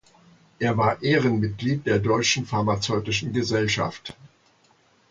Er war Ehrenmitglied der Deutschen Pharmazeutischen Gesellschaft.